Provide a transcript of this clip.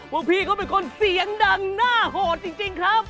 ว่าพี่เขาเป็นคนเสียงดังหน้าโหดจริงครับ